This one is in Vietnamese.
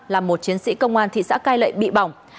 làm một chiến sĩ công an thị xã cai lệ bị bỏng